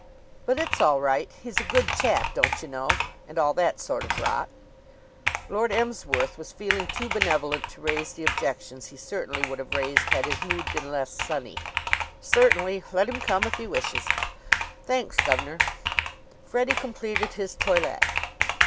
But it's all right. He's a good chap, don't you know! and all that sort of rot." Lord Emsworth was feeling too benevolent to raise the objections he certainly would have raised had his mood been less sunny. "Certainly; let him come if he wishes." "Thanks, gov'nor." Freddie completed his toilet.